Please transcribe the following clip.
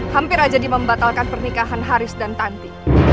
hampir aja di membatalkan pernikahan haris dan tanti